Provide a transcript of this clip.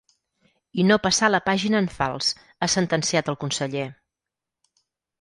I no passar la pàgina en fals, ha sentenciat el conseller.